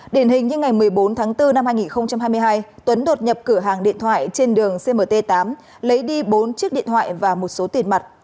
điển hình như ngày một mươi bốn tháng bốn năm hai nghìn hai mươi hai tuấn đột nhập cửa hàng điện thoại trên đường cmt tám lấy đi bốn chiếc điện thoại và một số tiền mặt